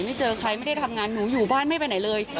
เจอใครไม่ได้ทำงานหนูอยู่บ้านไม่ไปไหนเลย